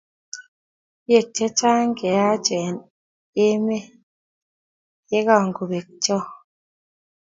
Kiek che chang cheyaacheng emee ye kongobek choe.